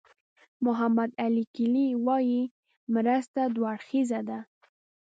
محمد علي کلي وایي مرسته دوه اړخیزه ده.